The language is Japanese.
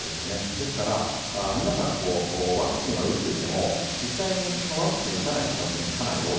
ですから皆さんワクチンは打ってても実際にワクチンを打たない方もかなり多い。